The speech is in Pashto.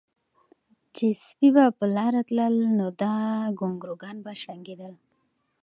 چې سپي به پۀ لاره تلل نو دا ګونګروګان به شړنګېدل